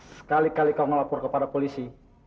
sekali kali kau melapor kepada polisi